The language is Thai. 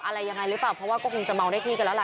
อะไรยังไงหรือเปล่าเพราะว่าก็คงจะเมาได้ที่กันแล้วล่ะ